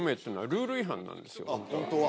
本当は？